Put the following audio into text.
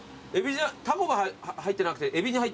タコが入ってなくてエビが入ってる？